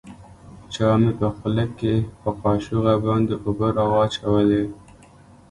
چا مې په خوله کښې په کاشوغه باندې اوبه راواچولې.